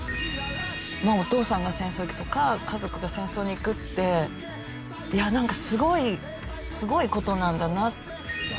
お父さんが戦争行くとか家族が戦争に行くっていやなんかすごいすごい事なんだな。